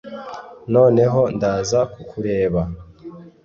noneho ndaza kukureba